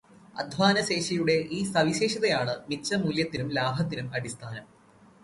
അദ്ധ്വാനശേഷിയുടെ ഈ സവിശേഷതയാണു് മിച്ചമൂല്യത്തിനും ലാഭത്തിനും അടിസ്ഥാനം.